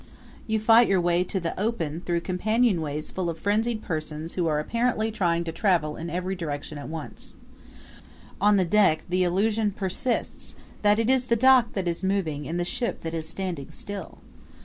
You fight your way to the open through companionways full of frenzied persons who are apparently trying to travel in every direction at once. On the deck the illusion persists that it is the dock that is moving and the ship that is standing still.